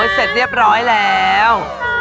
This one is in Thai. เสร็จเรียบร้อยแล้ว